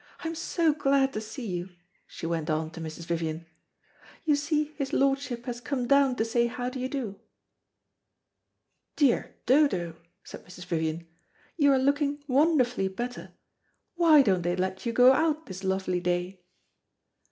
I am so glad to see you," she went on to Mrs. Vivian. "You see his lordship has come down to say how do you do." "Dear Dodo," said Mrs. Vivian, "you are looking wonderfully better. Why don't they let you go out this lovely day?"